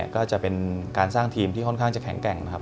ก็จะเป็นการสร้างทีมที่ค่อนข้างจะแข็งแกร่งนะครับ